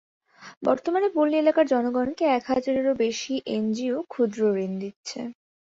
বর্তমানে পল্লী এলাকার জনগণকে এক হাজারেরও বেশি এনজিও ক্ষুদ্রঋণ দিচ্ছে।